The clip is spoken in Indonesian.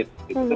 itu salah satu